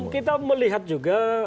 kita melihat juga